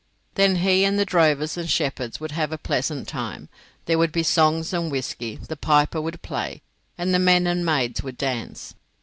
Then he and the drovers and shepherds would have a pleasant time; there would be songs and whisky, the piper would play, and the men and maids would dance.